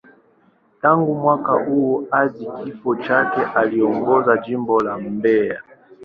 Tangu mwaka huo hadi kifo chake, aliongoza Jimbo la Mbeya.